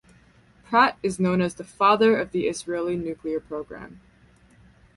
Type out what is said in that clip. Pratt is known as the "father" of the Israeli nuclear programme.